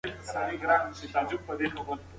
موټر ډېر ښکلی او نوی و.